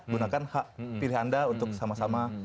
gunakan hak pilih anda untuk sama sama